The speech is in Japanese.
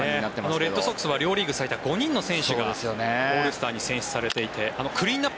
レッドソックスは両リーグ最多５人の選手がオールスターに選出されていてクリーンアップ